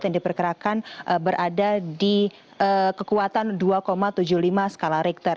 yang diperkirakan berada di kekuatan dua tujuh puluh lima skala richter